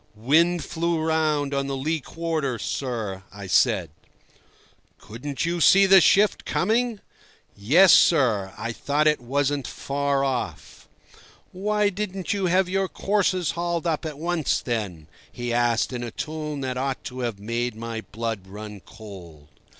"Wind flew round on the lee quarter, sir," I said. "Couldn't you see the shift coming?" "Yes, sir, I thought it wasn't very far off." "Why didn't you have your courses hauled up at once, then?" he asked in a tone that ought to have made my blood run cold.